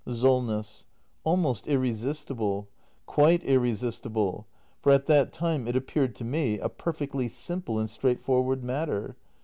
SOLNESS. Almost irresistible — quite irresistible. For at that time it appeared to me a perfectly simple and straight forward matter.